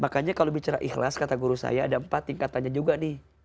makanya kalau bicara ikhlas kata guru saya ada empat tingkatannya juga nih